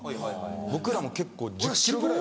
僕らも結構１０ｋｇぐらい。